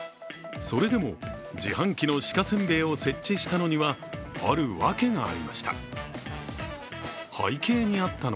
それでも自販機の鹿せんべいを設置したのには、ある訳がありました